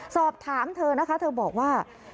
สอบถามเธอนะคะเธอบอกว่า